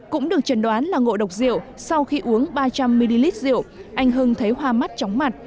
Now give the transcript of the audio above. cũng được chẩn đoán là ngộ độc rượu sau khi uống ba trăm linh ml rượu anh hưng thấy hoa mắt chóng mặt